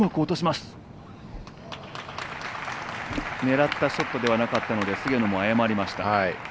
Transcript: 狙ったショットではなかったので菅野も謝りました。